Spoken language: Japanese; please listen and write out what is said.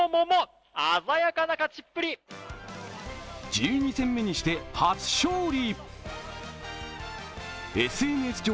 １２戦目にして初勝利。